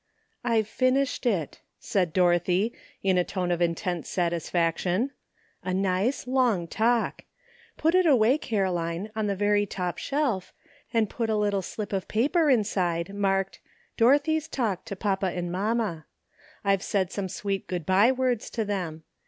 "I've finished it," said Dorothy, in a tone of intense satisfaction; "a nice long talk. AT LAST. 36S Put it away, Caroline, on the very top shelf, and put a little slip of paper inside marked ' Dorothy's talk to papa and mamma.' I've said some sweet good by words to them.